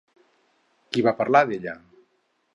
Qui va parlar d'ella?